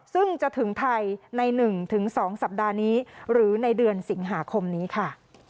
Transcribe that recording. ซึ่งจะถึงไทยใน๑๒สัปดาห์นี้หรือในเดือนสิงหาคมนี้ค่ะ